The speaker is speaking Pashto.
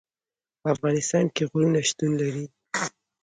په افغانستان کې غرونه شتون لري.